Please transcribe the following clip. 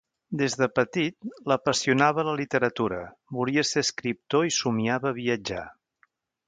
Des de petit, l'apassionava la literatura, volia ser escriptor i somiava viatjar.